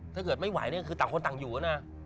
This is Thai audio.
ถ้าเกิดไม่ไหวเนี่ยคือต่างคนต่างอยู่นะ